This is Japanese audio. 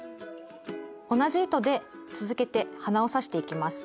同じ糸で続けて鼻を刺していきます。